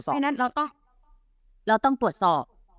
เพราะฉะนั้นเราก็เราต้องตรวจสอบ